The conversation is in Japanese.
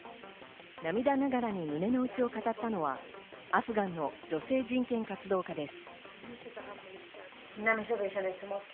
涙ながらに胸の内を語ったのはアフガンの女性人権活動家です。